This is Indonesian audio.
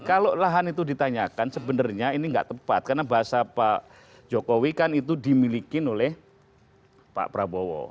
kalau lahan itu ditanyakan sebenarnya ini nggak tepat karena bahasa pak jokowi kan itu dimiliki oleh pak prabowo